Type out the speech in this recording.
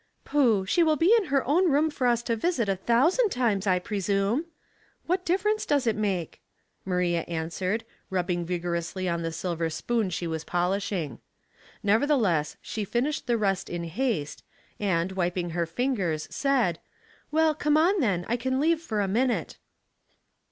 " Pooh ! she will be in her own room for us to visit a thousand times, I presume. What difference does it make ?" Maria answered, rubbing vigorously on the silver spoon she was polishing. Nevertheless, she finished the rest in 172 Household Puzzles. haste, and, wiping her fingers, said, "Well, come on, then, I can leave for a minute.'